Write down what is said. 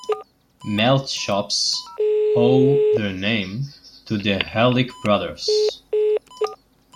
"Malt shops" owe their name to the Horlick brothers.